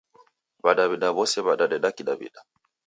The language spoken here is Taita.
Wadawida wose wadadeda kidawida